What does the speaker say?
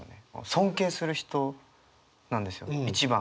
尊敬する人なんですよ一番。